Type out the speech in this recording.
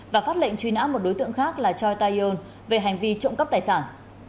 và phát lệnh truy nã một đối tượng khác là choi ta yon về hành vi trộm cắp tài sản